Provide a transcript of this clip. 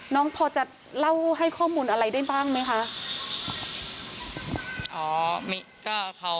น้องพอจะเล่าให้ข้อมูลอะไรได้บ้างไหมคะ